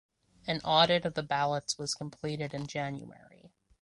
An audit of the ballots was completed in January.